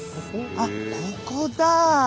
あっここだ。